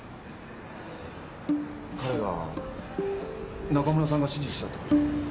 彼が中村さんが指示したってこと？